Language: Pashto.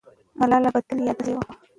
ملاله به تل یاده سوې وه.